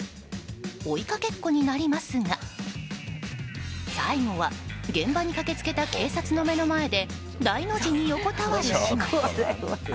追いかけっこになりますが最後は、現場に駆け付けた警察の目の前で大の字に横たわる始末。